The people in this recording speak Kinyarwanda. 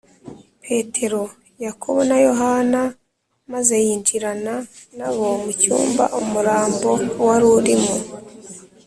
petero, yakobo na yohana, maze yinjirana na bo mu cyumba umurambo wari urimo